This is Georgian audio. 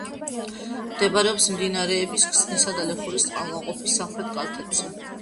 მდებარეობს მდინარეების ქსნისა და ლეხურის წყალგამყოფის სამხრეთ კალთებზე.